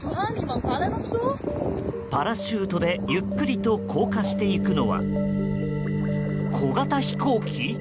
パラシュートでゆっくりと降下していくのは小型飛行機。